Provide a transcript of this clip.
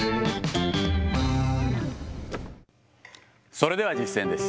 それでは実践です。